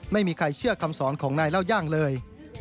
ไม่มีใครเชื่อคำสอนของนายเล่าย่างเลย